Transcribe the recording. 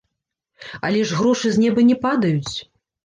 Але ж грошы з неба не падаюць.